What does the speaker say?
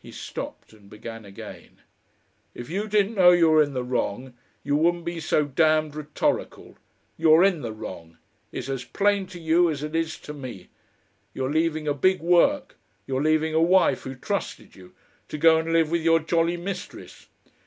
He stopped and began again. "If you didn't know you were in the wrong you wouldn't be so damned rhetorical. You're in the wrong. It's as plain to you as it is to me. You're leaving a big work, you're leaving a wife who trusted you, to go and live with your jolly mistress....